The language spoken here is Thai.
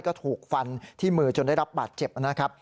ก็ถูกฟันที่มือจนได้รับบาดเจ็บนะครับ